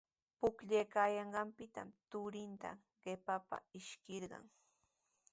Pukllaykaayanqantrawmi turinta qaqapa ishkichirqan.